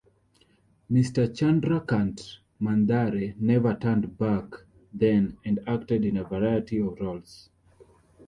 Mr. Chandrakant Mandhare never turned back then and acted in a variety of roles.